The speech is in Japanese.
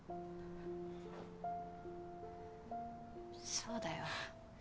そうだよ。